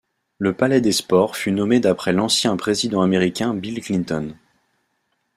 Le Palais des Sports fut nommé d'après l'ancien président américain: Bill Clinton.